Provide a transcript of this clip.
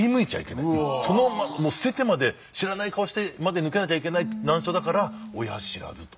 捨ててまで知らない顔してまで抜けなきゃいけない難所だから親不知と。